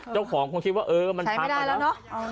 เจ้าของคงคิดว่าเออใช้ไม่ได้แล้วเนอะ